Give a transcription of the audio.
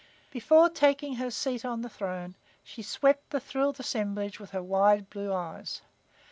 Before taking her seat on the throne, she swept the thrilled assemblage with her wide blue eyes.